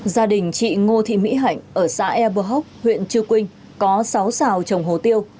gia đình chị ngô thị mỹ hạnh ở xã e bờ hốc huyện trư quynh có sáu xào trồng hồ tiêu